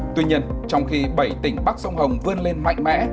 tuy nhiên trong khi bảy tỉnh bắc sông hồng vươn lên mạnh mẽ